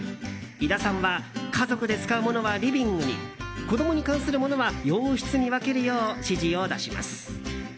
井田さんは家族で使うものはリビングに子供に関するものは洋室に分けるよう指示を出します。